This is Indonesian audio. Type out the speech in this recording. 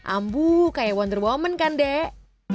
ambu kayak wonder woman kan dek